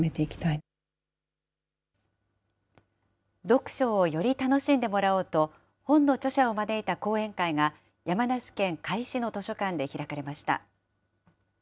読書をより楽しんでもらおうと、本の著者を招いた講演会が、山梨県甲斐市の図書館で開かれました。